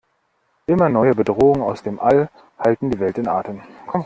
Immer neue Bedrohungen aus dem All halten die Welt in Atem.